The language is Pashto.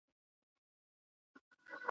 لاس مو تل د خپل ګرېوان په وینو سور دی `